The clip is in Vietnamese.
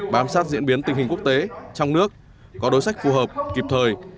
bám sát diễn biến tình hình quốc tế trong nước có đối sách phù hợp kịp thời